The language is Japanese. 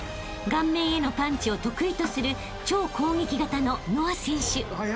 ［顔面へのパンチを得意とする超攻撃型の］